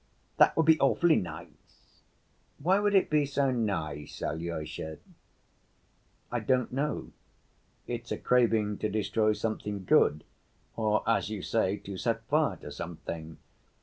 That would be awfully nice. Why would it be so nice, Alyosha?" "I don't know. It's a craving to destroy something good or, as you say, to set fire to something.